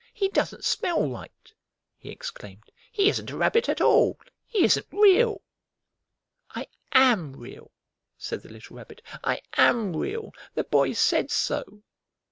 "He doesn't smell right!" he exclaimed. "He isn't a rabbit at all! He isn't real!" "I am Real!" said the little Rabbit. "I am Real! The Boy said so!"